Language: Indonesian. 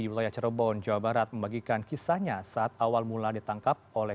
wilayah cirebon jawa barat membagikan kisahnya saat awal mula ditangkap oleh